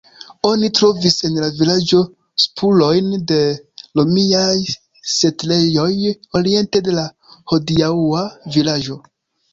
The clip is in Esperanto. Oni trovis en la vilaĝo spurojn de romiaj setlejoj oriente de la hodiaŭa vilaĝo.